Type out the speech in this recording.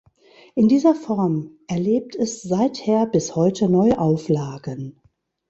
In dieser Form erlebt es seither bis heute neue Auflagen.